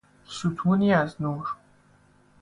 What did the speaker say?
ستونی از نور